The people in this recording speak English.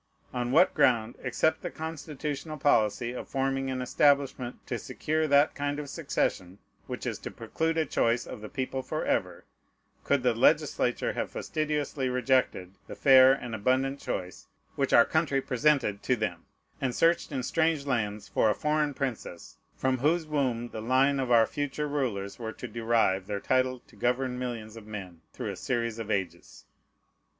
On what ground, except the constitutional policy of forming an establishment to secure that kind of succession which is to preclude a choice of the people forever, could the legislature have fastidiously rejected the fair and abundant choice which our own country presented to them, and searched in strange lands for a foreign princess, from whose womb the line of our future rulers were to derive their title to govern millions of men through a series of ages?